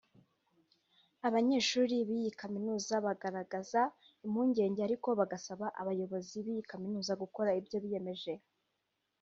Abanyeshuri b’iyi Kaminuza bagaragaza impungenge ariko bagasaba abayobozi b’iyi kaminuza gukora ibyo biyemeje